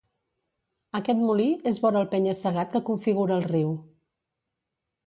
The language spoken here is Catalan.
Aquest molí és vora el penya-segat que configura el riu.